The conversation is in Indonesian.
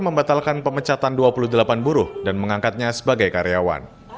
membatalkan pemecatan dua puluh delapan buruh dan mengangkatnya sebagai karyawan